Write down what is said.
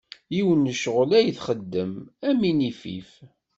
Yiwen n ccɣxel ay txeddem am inifif.